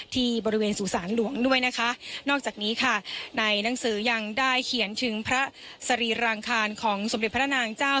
ที่บริเวณสู่สารหลวงด้วยนะคะนอกจากนี้ค่ะในหนังสือยังได้เขียนถึงพระสรีรางคารของสมเด็จพระนางเจ้า